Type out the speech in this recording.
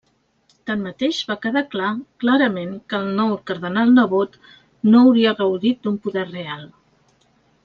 Tanmateix, va quedar clar clarament que el nou cardenal-nebot no hauria gaudit d'un poder real.